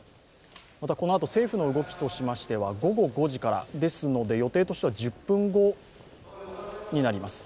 このあと政府の動きとしましては、午後５時からですので予定としては１０分後になります。